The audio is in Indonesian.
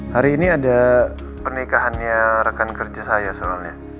hari ini ada pernikahannya rekan kerja saya soalnya